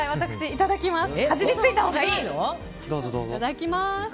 いただきます。